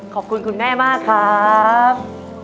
ขอบคุณคุณแม่มากครับ